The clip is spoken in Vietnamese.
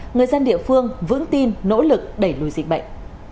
người dân địa phương vững tin nỗ lực đẩy lùi dịch bệnh